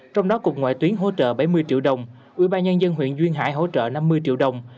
trong đó cục ngoại tuyến hỗ trợ bảy mươi triệu đồng ubnd huyện duyên hải hỗ trợ năm mươi triệu đồng